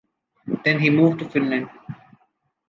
Then he moved to Finland.